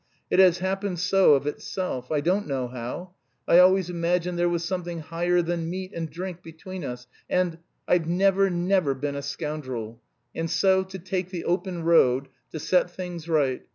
It has happened so of itself. I don't know how.... I always imagined there was something higher than meat and drink between us, and I've never, never been a scoundrel! And so, to take the open road, to set things right.